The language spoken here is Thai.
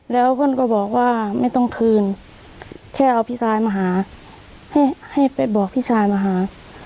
แล้วเพื่อนก็บอกว่าไม่ต้องคืนแค่เอาพี่ชายมาหาให้ไปบอกพี่ชายมาหา